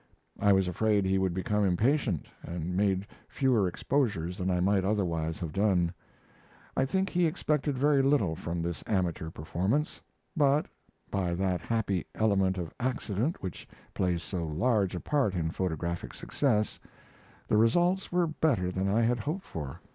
I was afraid he would become impatient, and made fewer exposures than I might otherwise have done. I think he expected very little from this amateur performance; but, by that happy element of accident which plays so large a part in photographic success, the results were better than I had hoped for.